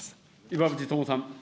岩渕友さん。